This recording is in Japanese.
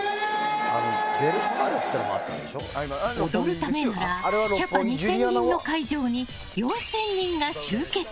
踊るためならキャパ２０００人の会場に４０００人が集結。